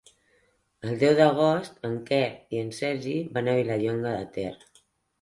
El deu d'agost en Quer i en Sergi van a Vilallonga de Ter.